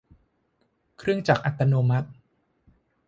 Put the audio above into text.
เครื่องจักรอัตโนมัติ